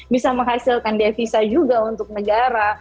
bisa menghasilkan devisa juga untuk negara